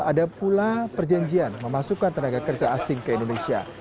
ada pula perjanjian memasukkan tenaga kerja asing ke indonesia